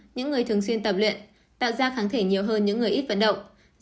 những người thường xuyên tập luyện tạo ra kháng thể nhiều hơn những người ít vận động